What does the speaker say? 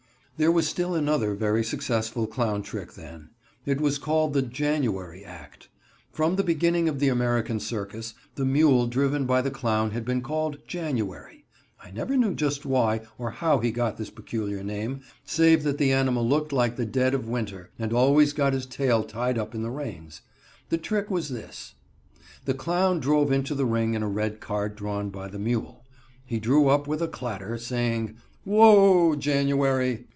There was still another very successful clown trick then. It was called the "January Act." From the beginning of the American circus, the mule driven by the clown has been called "January." I never knew just why or how he got this peculiar name, save that the animal looked like the dead of winter, and always got his tail tied up in the reins. The trick was this: The clown drove into the ring in a red cart drawn by the mule. He drew up with a clatter, saying: "Whoa, January!"